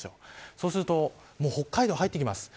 そうすると北海道入ってきます。